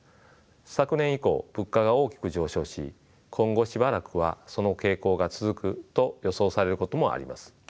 昨年以降物価が大きく上昇し今後しばらくはその傾向が続くと予想されることもあります。